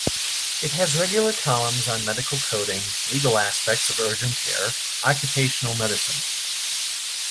It has regular columns on medical coding, legal aspects of urgent care, occupational medicine.